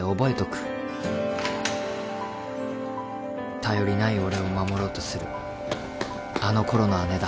頼りない俺を守ろうとするあの頃の姉だ